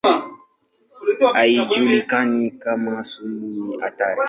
Haijulikani kama sumu ni hatari.